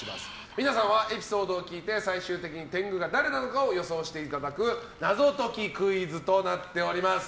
皆さんはエピソードを聞いて最終的に天狗が誰なのかを予想していただく謎解きクイズとなっております。